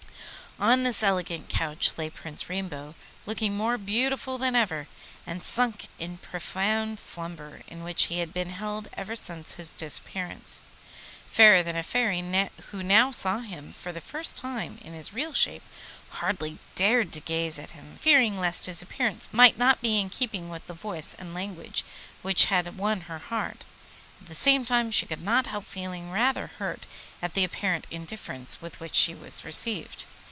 On this elegant couch lay Prince Rainbow, looking more beautiful than ever, and sunk in profound slumber, in which he had been held ever since his disappearance. Fairy than a Fairy, who now saw him for the first time in his real shape, hardly dared to gaze at him, fearing lest his appearance might not be in keeping with the voice and language which had won her heart. At the same time she could not help feeling rather hurt at the apparent indifference with which she was received.